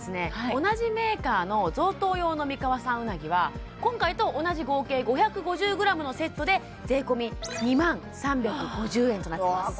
同じメーカーの贈答用の三河産うなぎは今回と同じ合計５５０ｇのセットで税込２万３５０円となってます